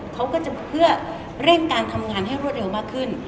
เขาก็จะเพื่อเร่งการทำงานให้รวดเร็วมากขึ้น